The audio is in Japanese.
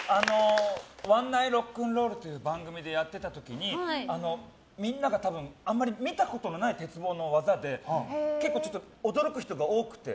「ワンナイロックンロール」という番組でやってた時にみんながあんまり見たことない鉄棒の技で結構驚く人が多くて。